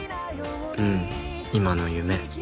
うん今の夢